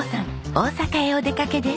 大阪へお出かけです。